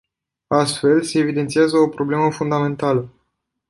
Astfel, se evidențiază o problemă fundamentală.